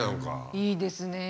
いいですね。